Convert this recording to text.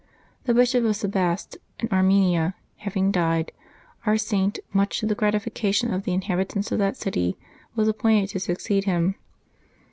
The Bishop of Sebaste, in Ar menia, having died, our Saint, much to the gratification of the inhabitants of that city, w as appointed to succeed him.